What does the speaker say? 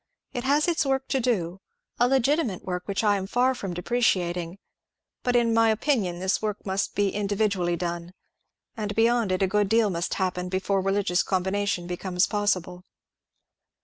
It has its work to do — a legitimate work, which I am far from depreciating — but, in my opinion, this work must be individually done ; and, be yond it, a good deal must happen before religious combina tion becomes possible."